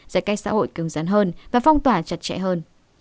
giải cách xã hội cường dân hơn và phong tỏa chặt chẽ hơn